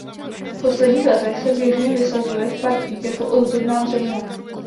V posledních letech se běžně vysazuje v parcích jako ozdobná dřevina.